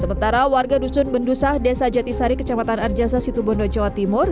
sementara warga dusun bendusah desa jatisari kecamatan arjasa situbondo jawa timur